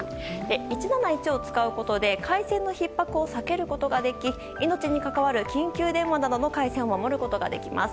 １７１を使うことで回線のひっ迫を避けることができ命に関わる緊急電話などの回線を守ることができます。